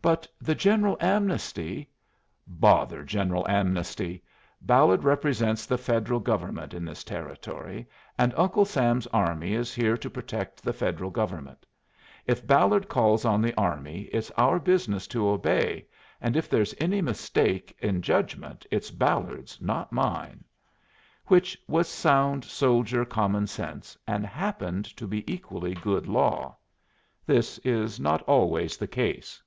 "But the general amnesty " "Bother general amnesty! Ballard represents the Federal government in this Territory, and Uncle Sam's army is here to protect the Federal government. If Ballard calls on the army it's our business to obey, and if there's any mistake in judgment it's Ballard's, not mine." Which was sound soldier common sense, and happened to be equally good law. This is not always the case.